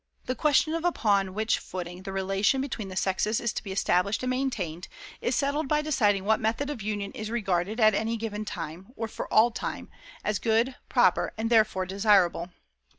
The question of upon which footing the relation between the sexes is to be established and maintained, is settled by deciding what method of union is regarded at any given time, or for all time, as good, proper, and therefore desirable.